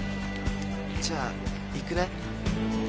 じゃあ行くね。